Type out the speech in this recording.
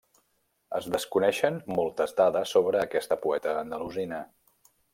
Es desconeixen moltes dades sobre aquesta poeta andalusina.